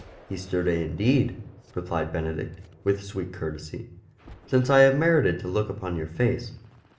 " Easter Day indeed," replied Benedict with sweet courtesy, " since I have merited to look upon your face."